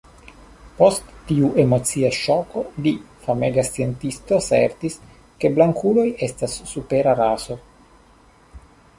Post tiu emocia ŝoko li famega sciencisto asertis, ke blankuloj estas supera raso.